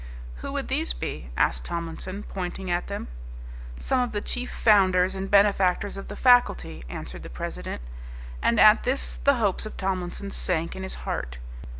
"Who would these be?" asked Tomlinson, pointing at them. "Some of the chief founders and benefactors of the faculty," answered the president, and at this the hopes of Tomlinson sank in his heart.